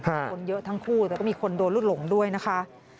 คนเยอะทั้งคู่แต่ก็มีคนโดนลูกหลงด้วยนะคะ